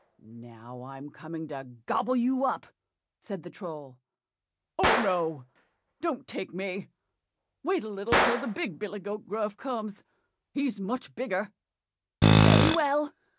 "Now, I'm coming to gobble you up," said the Troll. "Oh, no! don't take me, wait a little till the big billy goat Gruff comes, he's much bigger." "Very well!